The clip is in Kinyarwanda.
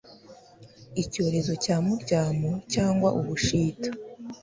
icyorezo cya muryamo cyangwa ubushita